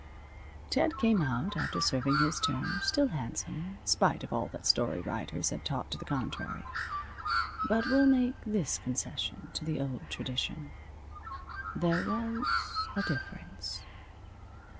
Ted came out after serving his term, still handsome, spite of all that story writers may have taught to the contrary. But we'll make this concession to the old tradition. There was a difference.